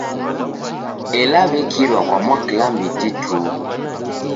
Ela w'ekirwa kwa mwaklambiti tu.